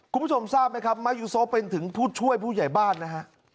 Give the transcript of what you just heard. คุณผู้ชมทราบไหมครับมายูโซเป็นถึงผู้ช่วยผู้ใหญ่บ้านนะฮะ